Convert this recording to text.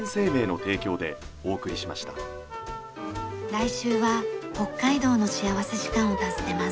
来週は北海道の幸福時間を訪ねます。